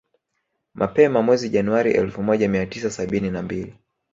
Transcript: Mapema mwezi Januari elfu moja mia tisa sabini na mbili